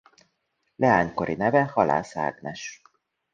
Leánykori neve Halász Ágnes.